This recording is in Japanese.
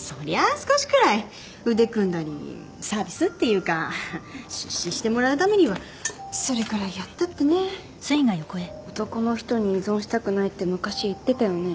少しくらい腕組んだりサービスっていうか出資してもらうためにはそれくらいやったってね「男の人に依存したくない」って昔言ってたよね？